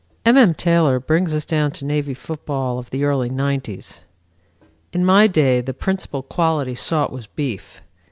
M. M. Taylor brings us down to Navy football of the early nineties. "In my day the principal quality sought was beef.